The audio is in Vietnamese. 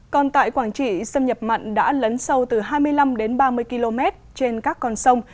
còn tại quảng trị xâm nhập mặn đã lấn sâu từ hai mươi năm đến ba mươi km trên các con sông